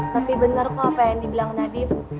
tapi benar kok apa yang dibilang nadif